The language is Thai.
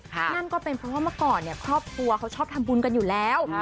นั่นก็เป็นเพราะว่าเมื่อก่อนเนี่ยครอบครัวเขาชอบทำบุญกันอยู่แล้ว